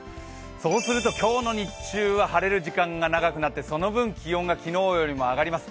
そうすると今日の日中は晴れる時間が長くなってその分、気温が昨日よりも上がります。